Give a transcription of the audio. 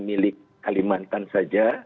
milik kalimantan saja